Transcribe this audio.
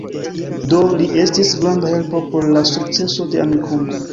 Do, li estis granda helpo por la sukceso de Amikumu